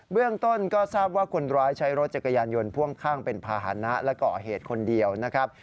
เรื่องต้นก็ทราบว่าคนร้ายใช้รถจักรยานยนต์พ่วงข้างเป็นภาษณะและก่อเหตุคนเดียวนะครับ